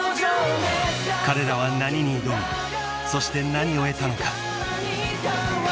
［彼らは何に挑みそして何を得たのか？］